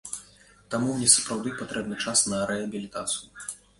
Таму мне сапраўды патрэбны час на рэабілітацыю.